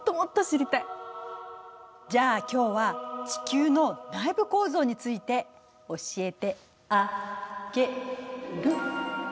じゃあ今日は「地球の内部構造」について教えてあげる。